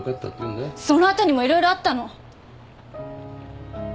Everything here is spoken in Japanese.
その後にも色々あったの。